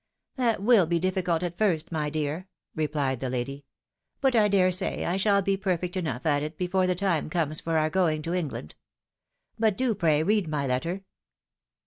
" That will be difficult at first, my dear," repUed the lady ;" but I dare say I shall be perfect enough at it before the time comes for our going to England. But do pray read my letter."